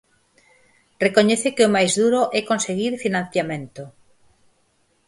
Recoñece que o máis duro é conseguir financiamento.